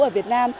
ở việt nam